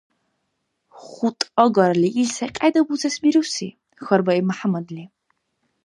— ХутӀ агарли, ил секьяйда бузес бируси? — хьарбаиб МяхӀяммадли.